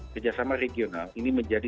kerjasama regional ini menjadi